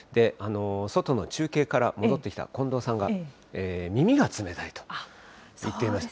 外の中継から戻ってきた近藤さんが耳が冷たいと言っていました。